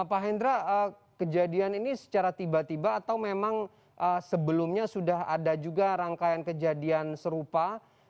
pak hendra kejadian ini secara tiba tiba atau memang sebelumnya sudah ada juga rangkaian kejadian serupa